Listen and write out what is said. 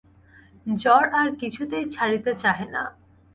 জ্বর আর কিছুতেই ছাড়িতে চাহে না।